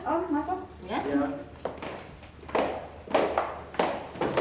baik eh silahkan yadi